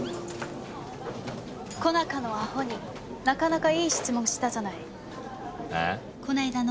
小中のアホになかなかいい質問したじゃない。